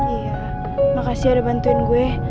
iya makasih udah bantuin gue